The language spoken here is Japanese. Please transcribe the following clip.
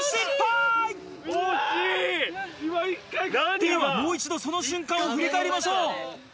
ではもう一度その瞬間を振り返りましょう。